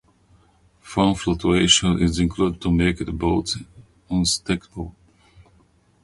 Foam flotation is included to make the boat unsinkable.